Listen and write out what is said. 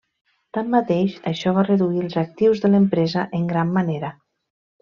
Tanmateix, això va reduir els actius de l'empresa en gran manera.